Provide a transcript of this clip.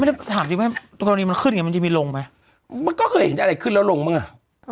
ถามจริงว่ากรณีมันขึ้นไงมันจะมีลงไหมมันก็เคยเห็นอะไรขึ้นแล้วลงบ้างอ่ะ